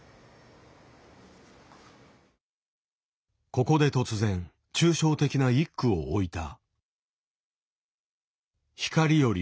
ここで突然抽象的な１句を置いた。